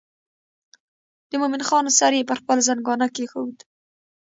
د مومن خان سر یې پر خپل زنګانه کېښود.